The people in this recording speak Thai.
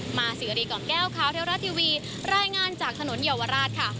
สวัสดีของแก้วค้าวเทวราชทีวีรายงานจากถนนเยียวราชค่ะ